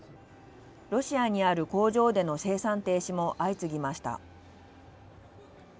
ロシアにある工場での生産停止も相次ぎました。